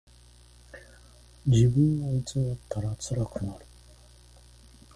自分を偽ったらつらくなる。